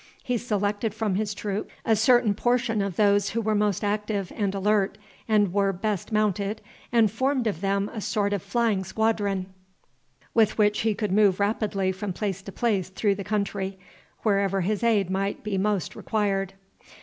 He selected from his troops a certain portion of those who were most active and alert and were best mounted, and formed of them a sort of flying squadron with which he could move rapidly from place to place through the country, wherever his aid might be most required.